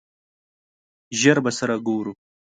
ژر به سره ګورو!